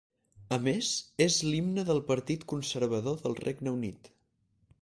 A més, és l'himne del Partit Conservador del Regne Unit.